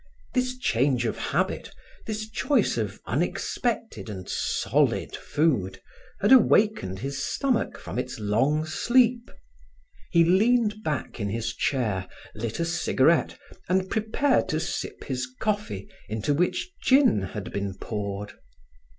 This change of habit, this choice of unexpected and solid food had awakened his stomach from its long sleep. He leaned back in his chair, lit a cigarette and prepared to sip his coffee into which gin had been poured.